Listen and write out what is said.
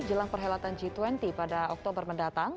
jelang perhelatan g dua puluh pada oktober mendatang